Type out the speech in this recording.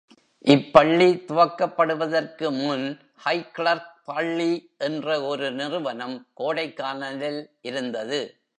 இப்பள்ளி துவக்கப்படுவதற்கு முன் ஹைகிளெர்க் பள்ளி என்ற ஒரு நிறுவனம் கோடைக்கானலில் இருந்தது.